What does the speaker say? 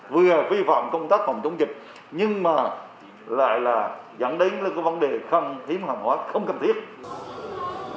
vừa vi phạm công tác phòng chống dịch nhưng mà lại là dẫn đến vấn đề không thiếu hàng hóa không cần thiết